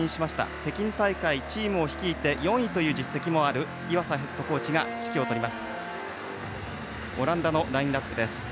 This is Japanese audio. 北京大会、チームを率いて４位という実績もある岩佐ヘッドコーチが指揮を執ります。